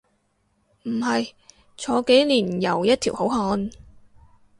唔係，坐幾年又一條好漢